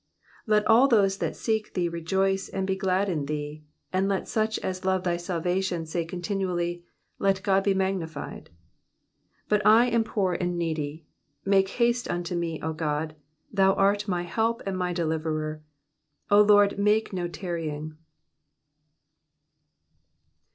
4 Let all those that seek thee rejoice and be glad in thee : and let such as love thy salvation say continually, Let God be magnified. 5 But I am poor and needy : make haste unto me, O God : thou art my help and my deliverer ; O LORD, make no tarrying.